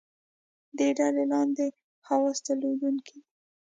دې ډلې لاندې خواص درلودونکي دي.